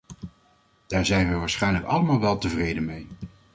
Daar zijn we waarschijnlijk allemaal wel tevreden mee.